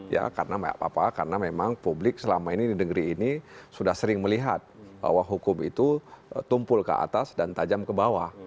ya karena apa karena memang publik selama ini di negeri ini sudah sering melihat bahwa hukum itu tumpul ke atas dan tajam ke bawah